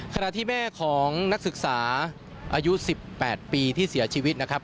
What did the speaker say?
ขณะที่แม่ของนักศึกษาอายุ๑๘ปีที่เสียชีวิตนะครับ